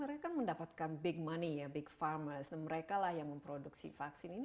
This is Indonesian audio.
mereka mendapatkan banyak uang mereka yang memproduksi vaksin